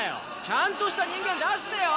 ちゃんとした人間出してよ。